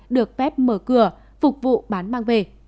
được phép mở cửa phục vụ bán mang về